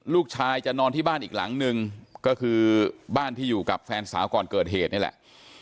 ลูกชายจะนอนที่บ้านอีกหลังนึงก็คือบ้านที่อยู่กับแฟนสาวก่อนเกิดเหตุนี่แหละ